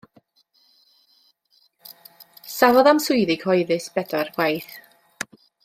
Safodd am swyddi cyhoeddus bedair gwaith.